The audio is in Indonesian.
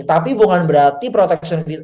tapi bukan berarti protection